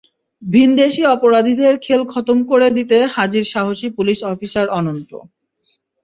ভিনদেশি অপরাধীদের খেল খতম করে দিতে হাজির সাহসী পুলিশ অফিসার অনন্ত।